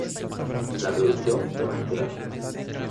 La producción fue "magistral".